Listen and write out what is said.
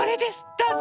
どうぞ。